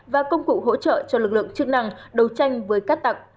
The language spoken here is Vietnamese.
và công cụ hỗ trợ cho lực lượng chức năng đấu tranh với cát tặng